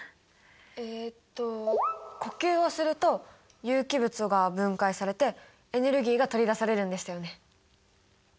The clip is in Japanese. えっと呼吸をすると有機物が分解されてエネルギーが取り出されるんでしたよね。